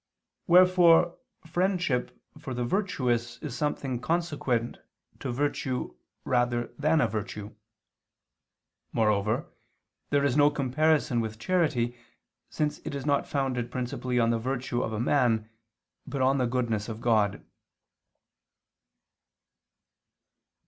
Wherefore friendship for the virtuous is something consequent to virtue rather than a virtue. Moreover there is no comparison with charity since it is not founded principally on the virtue of a man, but on the goodness of God.